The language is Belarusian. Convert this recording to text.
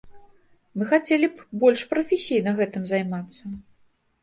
Мы хацелі б больш прафесійна гэтым займацца.